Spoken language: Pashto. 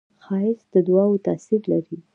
ښایست د دعاوو تاثیر لري